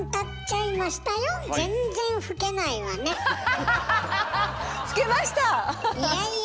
いやいや！